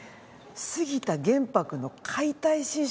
杉田玄白の『解体新書』。